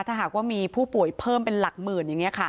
ถ้าหากว่ามีผู้ป่วยเพิ่มเป็นหลักหมื่นอย่างนี้ค่ะ